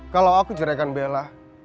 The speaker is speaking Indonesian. kalau aku jeraikan bella